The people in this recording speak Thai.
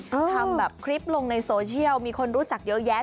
ทำแบบคลิปลงในโซเชียลมีคนรู้จักเยอะแยะ